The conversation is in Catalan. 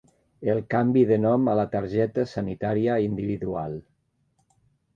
El canvi de nom a la targeta sanitària individual.